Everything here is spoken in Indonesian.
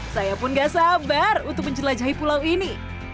saya pun gak sabar untuk menjelajahi pulau ini